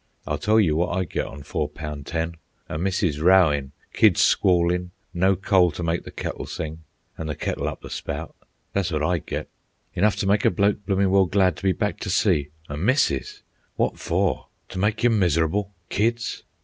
I'll tell you wot I'd get on four poun' ten—a missus rowin', kids squallin', no coal t' make the kettle sing, an' the kettle up the spout, that's wot I'd get. Enough t' make a bloke bloomin' well glad to be back t' sea. A missus! Wot for? T' make you mis'rable? Kids?